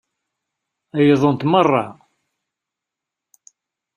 Ɛeyyḍent meṛṛa.